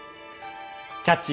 「キャッチ！